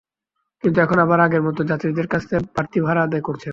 কিন্তু এখন আবার আগের মতো যাত্রীদের কাছ থেকে বাড়তি ভাড়া আদায় করছেন।